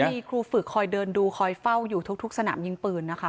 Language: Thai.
มีครูฝึกคอยเดินดูคอยเฝ้าอยู่ทุกสนามยิงปืนนะคะ